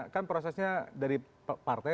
kan prosesnya dari partai